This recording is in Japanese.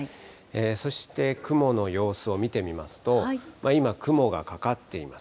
そして雲の様子を見てみますと、今、雲がかかっています。